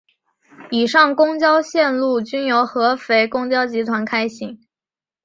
以上公交线路均由合肥公交集团开行。